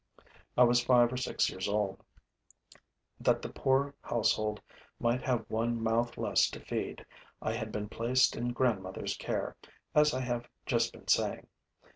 I was five or six years old. That the poor household might have one mouth less to feed, I had been placed in grandmother's care, as I have just been saying.